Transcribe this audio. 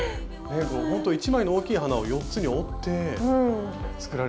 これほんと１枚の大きい花を４つに折って作られている。